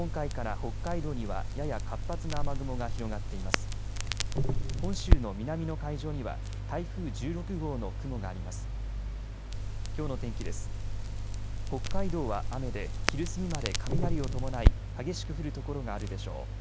北海道は雨で昼過ぎまで雷を伴い激しく降る所があるでしょう。